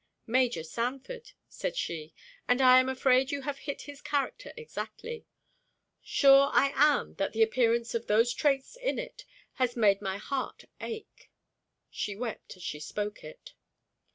"Major Sanford," said she; "and I am afraid you have hit his character exactly. Sure I am that the appearance of those traits in it has made my heart ache." She wept as she spoke it.